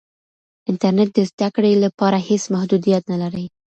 انټرنیټ د زده کړې لپاره هېڅ محدودیت نه لري.